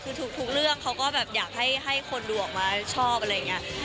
คือทุกเรื่องเขาก็แบบอยากให้คนดูออกมาชอบอะไรอย่างนี้